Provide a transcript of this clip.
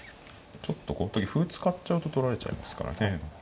ちょっとこの時歩使っちゃうと取られちゃいますからね何か。